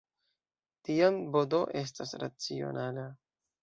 Tiam, "b-d" estas racionala.